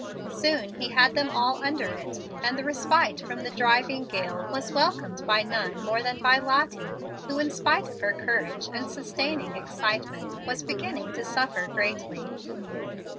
Soon he had them all under it, and the respite from the driving gale was welcomed by none more than by Lottie, who, in spite of her courage and sustaining excitement, was beginning to suffer greatly.